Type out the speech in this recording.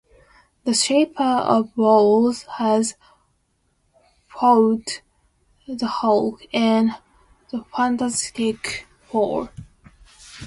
The Shaper of Worlds has fought the Hulk, and the Fantastic Four.